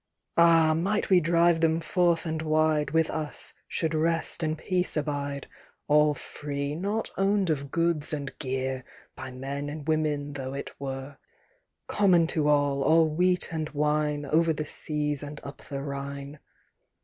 Ah! might we drive them forth and wide With us should rest and peace abide; All free, nought owned of goods and gear, By men and women though it were. Common to all all wheat and wine Over the seas and up the Rhine.